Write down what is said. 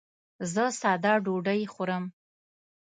زه ساده ډوډۍ خورم.